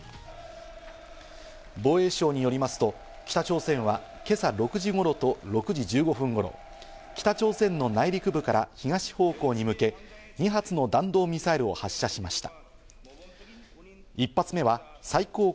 防衛省によりますと、北朝鮮は今朝６時頃と６時１５分頃、北朝鮮の内陸部から東方向に向け、２発の弾道ミサイルを発射しました。